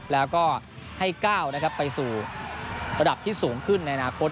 แล้วก็ให้ก้าวนะครับไปสู่ระดับที่สูงขึ้นในอนาคต